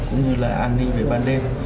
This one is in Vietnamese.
cũng như là an ninh về ban đêm